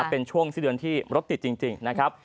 เป็นช่วงสิ้นเดือนที่รถติดจริงนะครับ